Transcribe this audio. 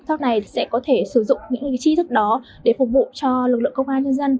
sau này sẽ có thể sử dụng những chi thức đó để phục vụ cho lực lượng công an nhân dân